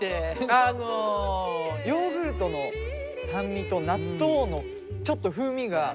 あのヨーグルトの酸味と納豆のちょっと風味が。